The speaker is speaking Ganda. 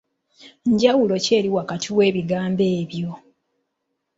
Njawulo ki eri wakati w'ebigambo byo?